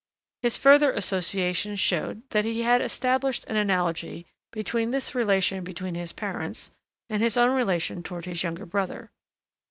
His further associations showed that he had established an analogy between this relation between his parents and his own relation toward his younger brother.